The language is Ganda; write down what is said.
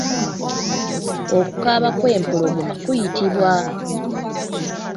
Okukaaba kw'empologoma kuyitibwa?